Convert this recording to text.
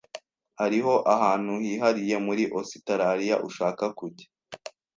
Hariho ahantu hihariye muri Ositaraliya ushaka kujya?